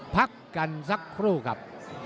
พักกันสักครู่ครับ